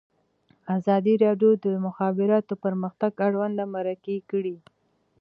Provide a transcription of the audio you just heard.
ازادي راډیو د د مخابراتو پرمختګ اړوند مرکې کړي.